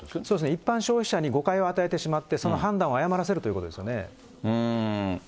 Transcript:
一般消費者に誤解を与えてしまって、その判断を誤らせるということですよね。